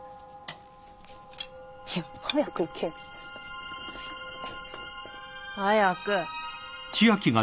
いや早く行けよ。早く。